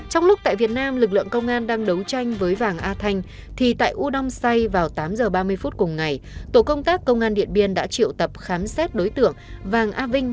trong lúc tại việt nam lực lượng công an đang đấu tranh với vàng a thanh thì tại udong say vào tám h ba mươi phút cùng ngày tổ công tác công an điện biên đã triệu tập khám xét đối tượng vàng a vinh